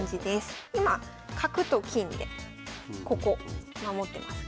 今角と金でここ守ってます。